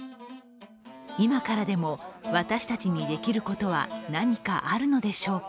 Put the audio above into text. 今からでも私たちにできることは何かあるのでしょうか。